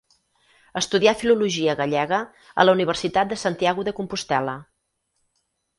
Estudià Filologia Gallega a la Universitat de Santiago de Compostel·la.